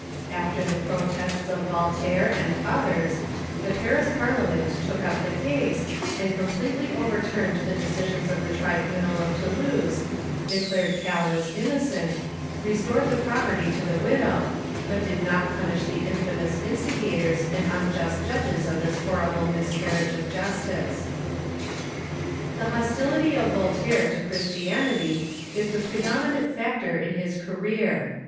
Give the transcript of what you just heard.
After the protests of Voltaire and others, the Paris Par FRENCH PROTESTANTISM 343 liamont took up the case, and com})letely overturned the de cisions of the tribunal of Toulouse, declared Galas innocent, restored the property to the widow, but did not punish the infamous instigators and unjust judges of this horrible miscar riage of justice. The hostility of Voltaire to Christianity is the predominant factor in his career.